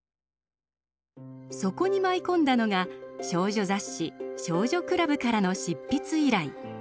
そこに舞い込んだのが少女雑誌「少女クラブ」からの執筆依頼。